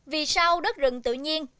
vì sao đất rừng tự nhiên